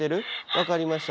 分かりました。